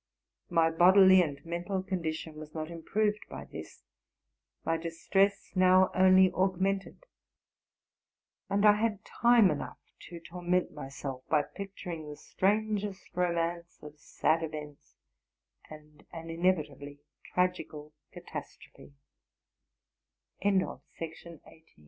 My bodily and mental condition was not improved by this: my distress now only augmented; and I had time enough to torment myself by picturing the strangest ro mance of sad events, and an inevitably tragic